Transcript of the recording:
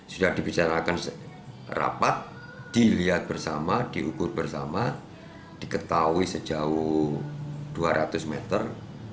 sudah dibicarakan rapat dilihat bersama diukur bersama diketahui sejauh dua ratus meter